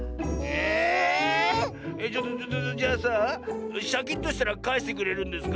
じゃあさシャキッとしたらかえしてくれるんですか？